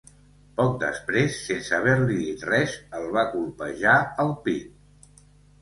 Poc després, sense haver-li dit res, el va colpejar al pit.